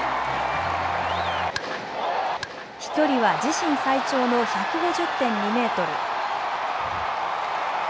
飛距離は自身最長の１５０．２メートル。